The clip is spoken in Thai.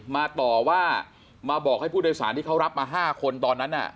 มาต่อว่ามาบอกให้ผู้โดยสารที่เขารับมา๕คนตอนนั้นน่ะ